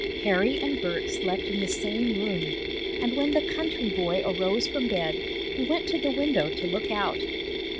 Harry and Bert slept in the same room, and when the country boy arose from bed he went to the window to look out.